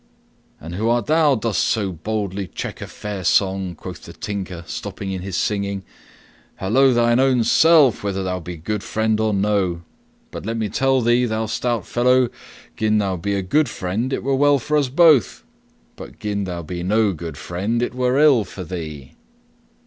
"And who art thou dost so boldly check a fair song?" quoth the Tinker, stopping in his singing. "Halloa, shine own self, whether thou be good friend or no. But let me tell thee, thou stout fellow, gin thou be a good friend it were well for us both; but gin thou be no good friend it were ill for thee."